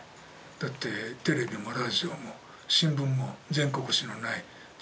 だってテレビもラジオも新聞も全国紙のない時代ですからね。